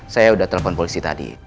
saya sudah telepon polisi tadi